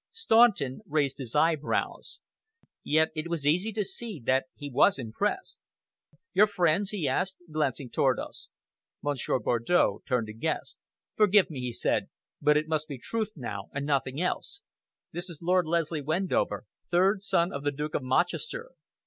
Staunton raised his eyebrows. Yet it was easy to see that he was impressed. "Your friends?" he asked, glancing towards us. Monsieur Bardow turned to Guest. "Forgive me," he said, "but it must be truth now, and nothing else. This is Lord Leslie Wendover, third son of the Duke of Mochester.